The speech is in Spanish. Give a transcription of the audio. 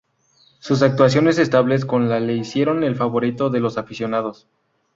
Sus actuaciones estables con la le hicieron el favorito de los aficionados.